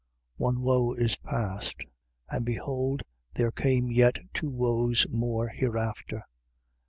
9:12. One woe is past: and behold there come yet two woes more hereafter.